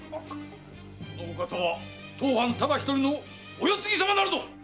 そのお方は当藩ただひとりのお世継ぎ様なるぞ！